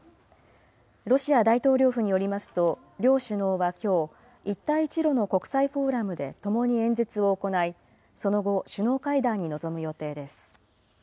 ロシア大統領府によりますと、両首脳はきょう、一帯一路の国際フォーラムでともに演説を行い、その後、首脳会談に臨む予定です。